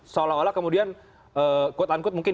seolah olah kemudian kuat ankut mungkin